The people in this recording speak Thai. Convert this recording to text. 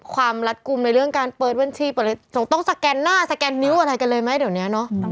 ความรัดกลุ่มในเรื่องการเปิดเว่นชีพต้องสแกนหน้าสแกนนิ้วอะไรกันเลยไหมเดี๋ยวเนี้ยเนอะ